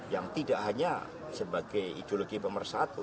yang tidak hanya sebagai ideologi pemersatu